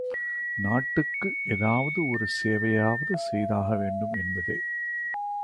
நாட்டுக்கு ஏதாவது ஒரு சேவையாவது செய்தாக வேண்டும் என்பதே.